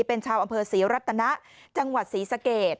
เป็นชาวอำเภอศรีรัตนะจังหวัดศรีสะเกด